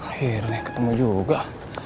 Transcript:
akhirnya ketemu juga